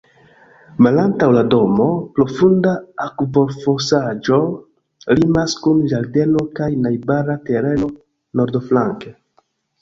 Malantaŭ la domo, profunda akvofosaĵo limas kun ĝardeno kaj najbara tereno nordflanke.